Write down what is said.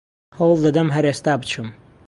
هەوڵ دەدەم هەر ئێستا بچم